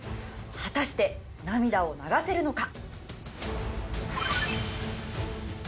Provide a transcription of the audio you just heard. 果たして涙を流せるのか？